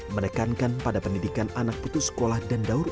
menekankan pada pendidikan anak putus sekolah dan daur ulang